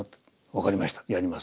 「分かりましたやります」。